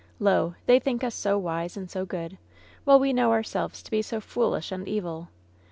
Lo! they think us so wise and so ^i^ood, while we know ourselves to be so fool ish and evil